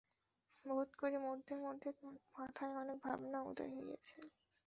বোধ করি মধ্যে মধ্যে মাথায় অনেক ভাবনা উদয় হইয়াছিল।